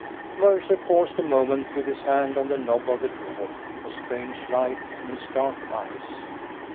Mercer paused a moment, with his hand on the knob of the door, a strange light in his dark eyes.